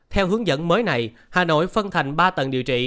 theo hướng dẫn mới này hà nội phân thành ba tầng điều trị